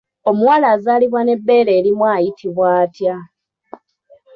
Omuwala azaalibwa n'ebbeere erimu ayitibwa atya?